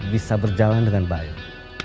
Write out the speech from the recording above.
bisa berjalan dengan baik